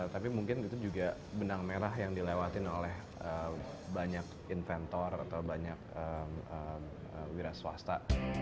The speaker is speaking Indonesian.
tapi mungkin itu juga benang merah yang dilewatin oleh banyak inventor atau banyak wira swasta